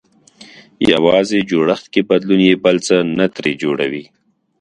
يوازې جوړښت کې بدلون يې بل څه نه ترې جوړوي.